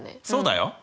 そうだよ！